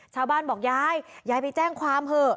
ชาวบ้านบอกยายยายไปแจ้งความเถอะ